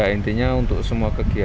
intinya untuk semua kegiatan